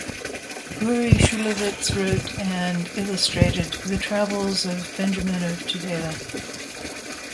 Uri Shulevitz wrote and illustrated The Travels of Benjamin of Tudela.